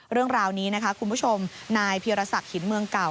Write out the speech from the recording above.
เรื่องราวนี้นะคะคุณผู้ชมนายพีรศักดิ์หินเมืองเก่า